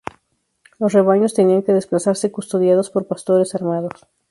Los rebaños tenían que desplazarse custodiados por pastores armados.